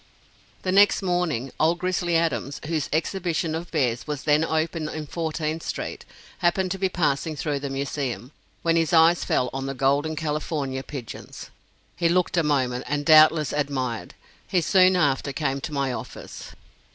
The next, morning, "Old Grizzly Adams," whose exhibition of bears was then open in Fourteenth street, happened to be passing through the Museum, when his eyes fell on the "Golden California Pigeons." He looked a moment and doubtless admired. He soon after came to my office.